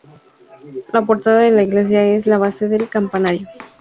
La portada de la iglesia es la base del campanario.